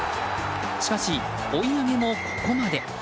しかし、追い上げもここまで。